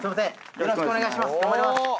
よろしくお願いします！